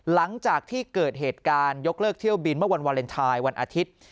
หลังจากที่เกิดเหตุการณ์ยกเลิกเที่ยวบินเมื่อวันวาเลนไทยวันอาทิตย์